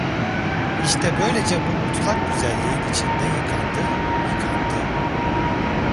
İşte böylece bu mutlak güzelliğin içinde yıkandı, yıkandı…